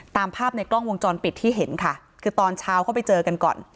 ตามภาพในกล้องวงจรปิดที่เห็นค่ะคือตอนเช้าเขาไปเจอกันก่อน